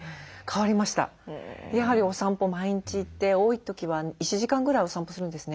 やはりお散歩毎日行って多い時は１時間ぐらいお散歩するんですね。